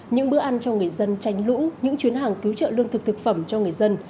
những bữa ăn cho người dân tranh lũng những chuyến hàng cứu trợ lương thực thực phẩm cho người dân